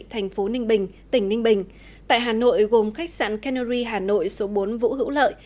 thành phố ninh bình tỉnh ninh bình tại hà nội gồm khách sạn canary hà nội số bốn vũ hữu lợi